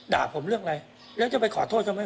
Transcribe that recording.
ด่าผมเรื่องอะไรแล้วจะไปขอโทษเขาไหม